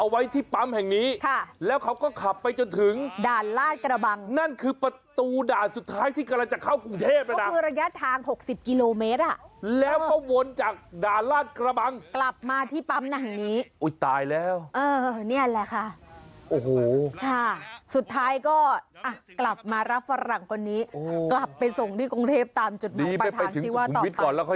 เวลาอะไรแปลกฟองเข้าปากมันจะมีอาการอย่างนี้